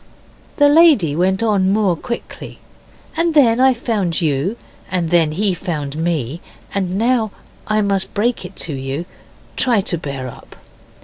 The lady went on more quickly, 'And then I found you, and then he found me, and now I must break it to you. Try to bear up.